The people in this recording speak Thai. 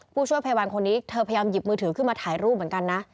ผู้ช่วยพยาบาลคนนี้เธอพยายามหยิบมือถือขึ้นมาถ่ายรูปเหมือนกันนะ